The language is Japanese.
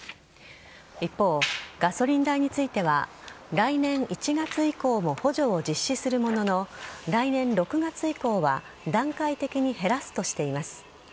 一方、ガソリン代については来年１月以降も補助を実施するものの来年６月以降は段階的に減らすとしています。